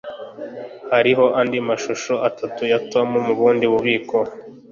Hariho andi mashusho atatu ya Tom mubundi bubiko.